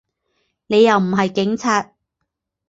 你又唔系警察！